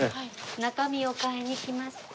中身を買いに来ました。